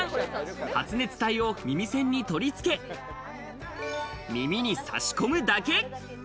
発熱体を耳栓に取り付け、耳にさし込むだけ。